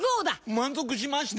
満足しました！